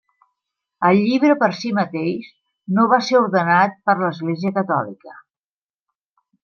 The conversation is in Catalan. El llibre per si mateix, no va ser ordenat per l'Església Catòlica.